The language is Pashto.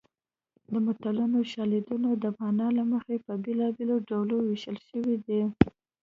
د متلونو شالیدونه د مانا له مخې په بېلابېلو ډولونو ویشل شوي دي